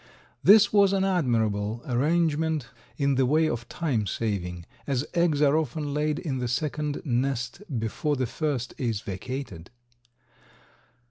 This was an admirable arrangement in the way of time saving, as eggs are often laid in the second nest before the first is vacated.